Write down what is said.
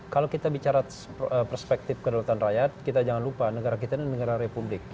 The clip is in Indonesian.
kalau kita bicara perspektif kedaulatan rakyat kita jangan lupa negara kita ini negara republik